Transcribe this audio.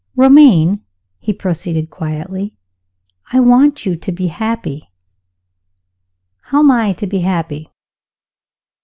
"Romayne," he proceeded quietly, "I want you to be happy." "How am I to be happy?"